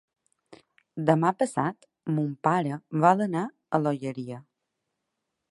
Demà passat mon pare vol anar a l'Olleria.